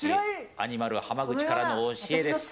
アニマル浜口からの教えです。